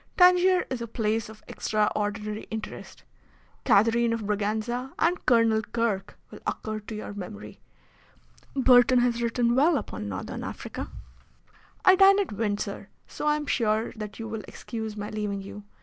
Tangier is a place of extraordinary interest. Catherine of Braganza and Colonel Kirke will occur to your memory. Burton has written well upon Northern Africa. I dine at Windsor, so I am sure that you will excuse my leaving you.